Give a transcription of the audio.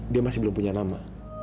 dia masih belum punya nama